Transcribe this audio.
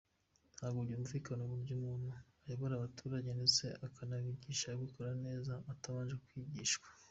Ntabwo byumvikana uburyo umuntu uyoboye abaturage ndetse akanabigisha abikora neza atabanje kwigishwa